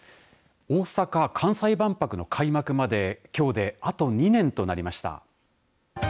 大阪・関西万博の開幕まできょうであと２年となりました。